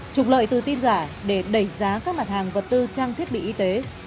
trục lợi từ tin giả để đẩy giá các mặt hàng vật tư trang thiết bị y tế